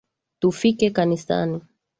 Tufike kanisani